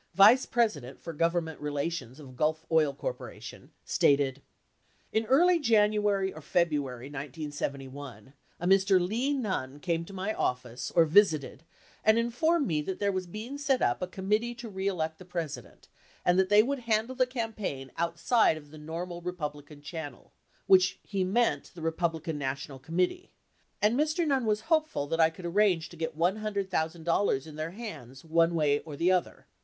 vice president for Government relations of Gulf Oil Corp., stated : [I]n early January or February , a Mr. Lee Nunn came to my office or visited and informed me that there was being set up a Committee To Re Elect the President and that they would handle the campaign outside of the normal Re publican channel which he meant the Republican National Committee, and Mr. Nunn was hopeful that I could ar range to get $100,000 in their hands one way or the other.